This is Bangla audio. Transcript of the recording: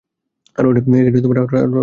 আর অনেক ব্যথা করছে।